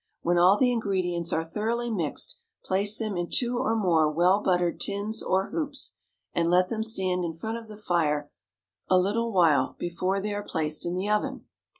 When all the ingredients are thoroughly mixed, place them in two or more well buttered tins or hoops, and let them stand in front of the fire a little while before they are placed in the oven.